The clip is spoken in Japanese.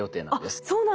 あっそうなんだ。